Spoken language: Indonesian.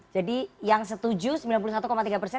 jadi yang setuju sembilan puluh satu tiga persen